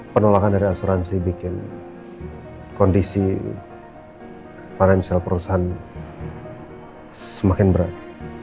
penolakan dari asuransi bikin kondisi financial perusahaan semakin berat